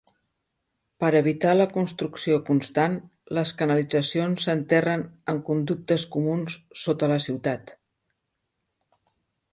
Per evitar la construcció constant, les canalitzacions s'enterren en conductes comuns sota la ciutat.